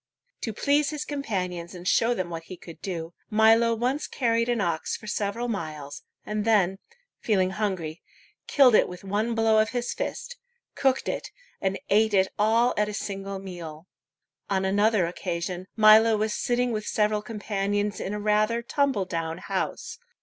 To please his companions and show them what he could do, Milo once carried an ox for several miles, and then, feeling hungry, killed it with one blow of his fist, cooked it, and ate it all at a single meal. On another occasion, Milo was sitting with several companions in a rather tumble down house.